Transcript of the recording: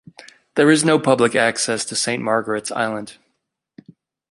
There is no public access to Saint Margaret's Island.